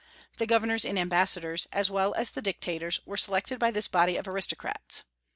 The governors and ambassadors, as well as the dictators, were selected by this body of aristocrats.